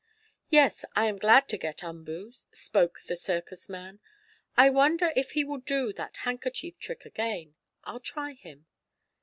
"Yes, I am glad to get Umboo," spoke the circus man. "I wonder if he will do that handkerchief trick again? I'll try him."